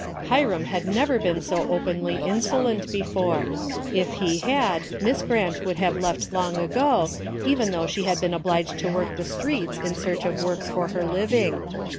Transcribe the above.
Hiram had never been so openly insolent before. If he had. Miss Grant would have left long ago, even though she had been obliged to walk the streets in search of work for her living.